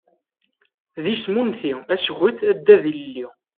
D isem unti, asget, addad ilelli.